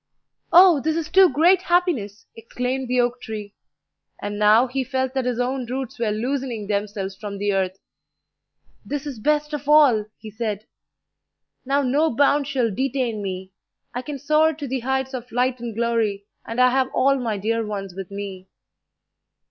"Oh, this is too great happiness!" exclaimed the oak tree; and now he felt that his own roots were loosening themselves from the earth. "This is best of all," he said. "Now no bounds shall detain me. I can soar to the heights of light and glory, and I have all my dear ones with me."